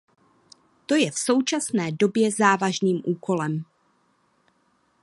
To je v současné době závažným úkolem.